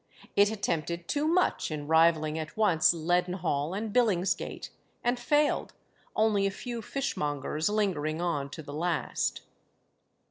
It attempted too much in rivalling at once Leadenhall and Billingsgate, and failed only a few fishmongers lingering on to the last.